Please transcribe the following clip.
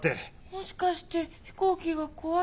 もしかして飛行機が怖いとか？